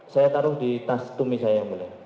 saya taruh di tas tumi saya yang mulia